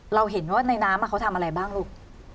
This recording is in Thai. เราเห็นว่าในน้ำเขาทำอะไรบ้างลูก